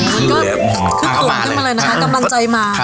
คือห่วงขึ้นมาเลยนะคะกำลังใจมา